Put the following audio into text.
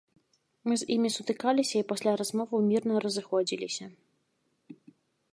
Мы з імі сутыкаліся і пасля размоваў мірна разыходзіліся.